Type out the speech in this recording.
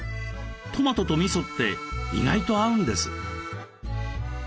トマトとみそって意外と合うんです。